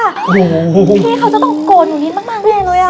พี่เขาจะต้องโกนหนูนิดบ้างข้างนี้แน่เลยอะ